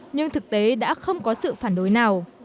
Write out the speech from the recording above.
nhưng thực tế đã không có sự phản đối nào